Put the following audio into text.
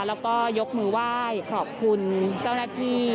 แล้วก็ยกมือไหว้ขอบคุณเจ้าหน้าที่